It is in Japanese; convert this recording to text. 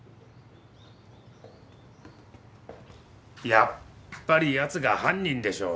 やっぱりやつが犯人でしょ。